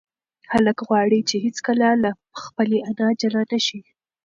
هلک غواړي چې هیڅکله له خپلې انا جلا نشي.